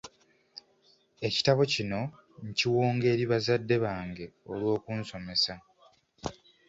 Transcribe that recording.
Ekitabo kino nkiwonga eri bazadde bange olw’okunsomesa.